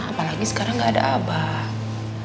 apalagi sekarang gak ada abah